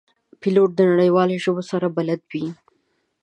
پیلوټ د نړیوالو ژبو سره بلد وي.